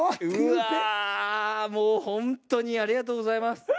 うわもうほんとにありがとうございます。